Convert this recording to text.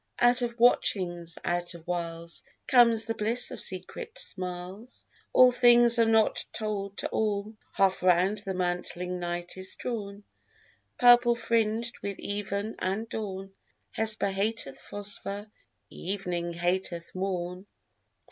Out of watchings, out of wiles, Comes the bliss of secret smiles, All things are not told to all, Half round the mantling night is drawn, Purplefringed with even and dawn. Hesper hateth Phosphor, evening hateth morn.